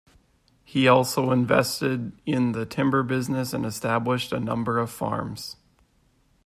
He also invested in the timber business, and established a number of farms.